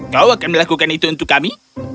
kau akan melakukan itu untuk kami